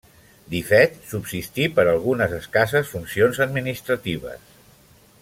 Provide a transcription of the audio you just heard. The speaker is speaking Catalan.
Dyfed subsistí per a algunes escasses funcions administratives.